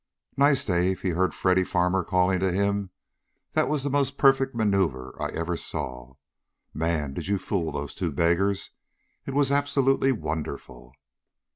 "Nice, Dave!" he heard Freddy Farmer calling to him. "That was the most perfect maneuver I ever saw. Man! Did you fool those two beggars. It was absolutely wonderful."